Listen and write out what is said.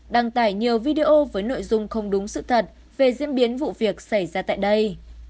đăng tải nhiều video với nội dung không đúng sự thật về diễn biến vụ việc xảy ra tại đây